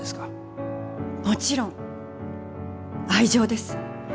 もちろん愛情です。